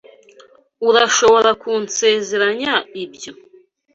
Urashobora kunsezeranya ibyo?